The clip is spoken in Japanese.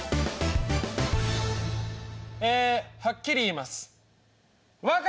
えはっきり言います。